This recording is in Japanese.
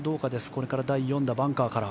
これから第４打、バンカーから。